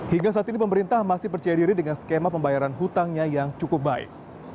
hingga saat ini pemerintah masih percaya diri dengan skema pembayaran hutangnya yang cukup baik